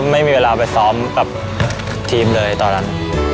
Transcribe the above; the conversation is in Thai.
ไม่มีเวลาไปซ้อมกับทีมเลยตอนนั้น